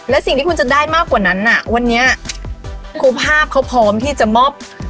และสิ่งที่คุณจะได้มากกว่านั้นน่ะวันนี้ครูภาพเขาพร้อมที่จะมอบ